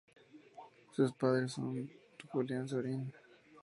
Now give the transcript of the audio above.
Son padres de Julián Sorín.